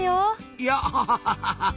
いやぁハハハッ。